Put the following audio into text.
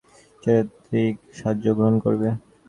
ভাল করিয়া বুঝাইবার জন্য এই চিত্রটির সাহায্য গ্রহণ করিব।